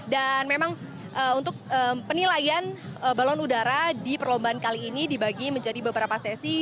dan memang untuk penilaian balon udara di perlombaan kali ini dibagi menjadi beberapa sesi